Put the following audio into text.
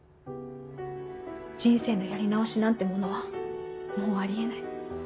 人生のやり直しなんてものはもうあり得ない。